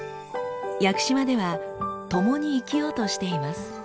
屋久島では共に生きようとしています。